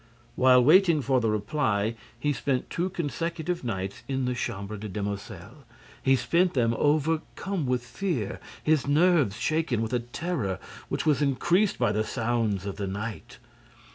While waiting for the reply, he spent two consecutive nights in the Chambre des Demoiselles. He spent them overcome with fear, his nerves shaken with a terror which was increased by the sounds of the night.